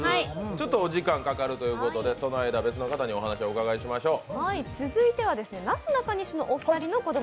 ちょっとお時間かかるということで、その間、別の方にお話をお伺いしましょう。